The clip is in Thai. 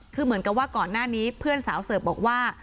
คือเหมือนกับว่าก่อนหน้านี้เพื่อนสาวเสิร์ฟบอกว่า